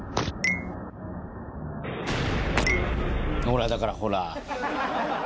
ほら、だから、ほら。